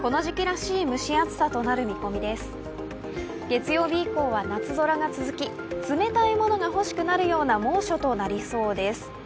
月曜日以降は夏空が続き冷たいものが欲しくなるような猛暑となりそうです。